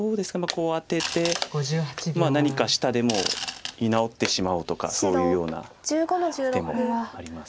こうアテて何か下でもう居直ってしまおうとかそういうような手もあります。